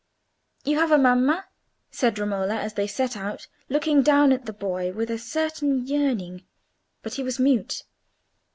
"You have a mamma?" said Romola, as they set out, looking down at the boy with a certain yearning. But he was mute.